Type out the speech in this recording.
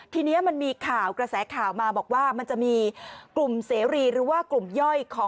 ทีนี้มันมีข่าวกระแสข่าวมาบอกว่ามันจะมีกลุ่มเสรีหรือว่ากลุ่มย่อยของ